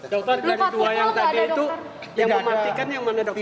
dokter dari dua yang tadi itu yang dihentikan yang mana dokter